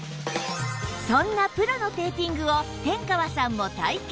そんなプロのテーピングを天川さんも体験